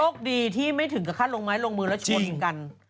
ดีที่ไม่ถึงกับขั้นลงไม้ลงมือแล้วชนกัน